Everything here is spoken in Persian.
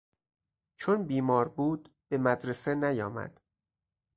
چون بیمار بود به مدرسه نیامد.